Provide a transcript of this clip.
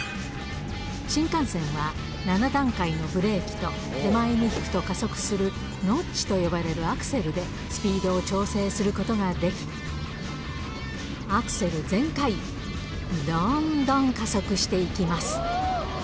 新幹線は、７段階のブレーキと、手前に引くと加速するノッチと呼ばれるアクセルで、スピードを調整することができ、アクセル全開、どんどん加速していきます。